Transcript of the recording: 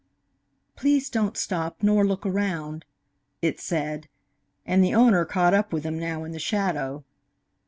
"Please don't stop, nor look around," it said, and the owner caught up with him now in the shadow.